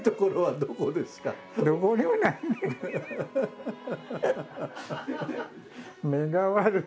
どこにもない！